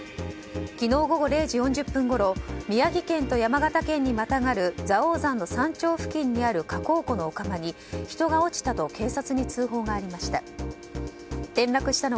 昨日午後０時４０分ごろ宮城県と山形県にまたがる蔵王山の山頂付近にある火口湖のお釜に人が落ちたと警察に通報がありました。